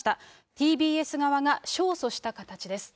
ＴＢＳ側が勝訴した形です。